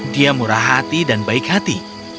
dia murah hati dan baik hati